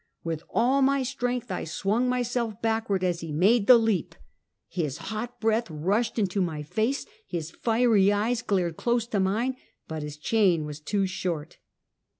With all my strength I swung myself back ward as he made the leap. His hot breath rushed into my face, his fiery eyes glared close to mine, but his chain was too short.